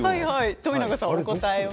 冨永さん、お答えは。